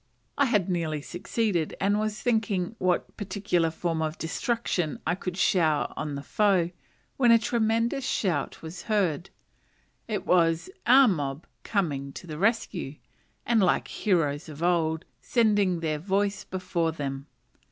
I had nearly succeeded, and was thinking what particular form of destruction I should shower on the foe, when a tremendous shout was heard. It was "our mob" coming to the rescue; and, like heroes of old, "sending their voice before them."